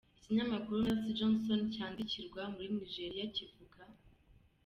Ikinyamakuru Mercy Johnson cyandikirwa muri Nigeria kivuga.